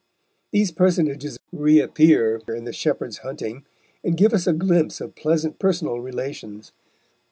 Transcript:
These personages reappear in The Shepherd's Hunting, and give us a glimpse of pleasant personal relations.